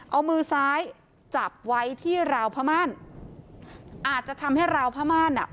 เอามือซ้ายจับไว้ที่ราวพม่านอาจจะทำให้ราวพม่านอ่ะ